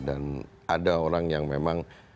dan ada orang yang memang